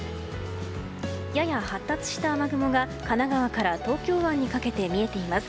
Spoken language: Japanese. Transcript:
やや発達した雨雲が神奈川から東京湾にかけて見えています。